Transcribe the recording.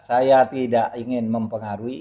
saya tidak ingin mempengaruhi